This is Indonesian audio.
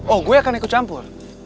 oh gue akan ikut campur